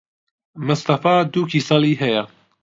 مستەفا دوو کیسەڵی ھەیە.